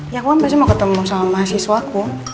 ya gue pasti mau ketemu sama mahasiswaku